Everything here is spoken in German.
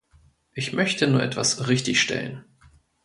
Ich möchte nur etwas richtigstellen.